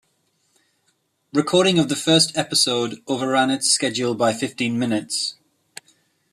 Recording of the first episode overran its schedule by fifteen minutes.